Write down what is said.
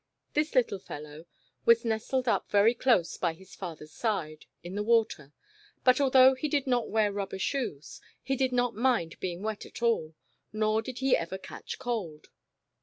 This little fellow was nestled up very close by his father's side, in the water, but, although he did not wear rubber shoes, he did not mind being wet at all, nor did he ever catch cold.